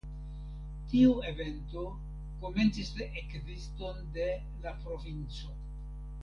Tiu evento komencis la ekziston de La Provinco.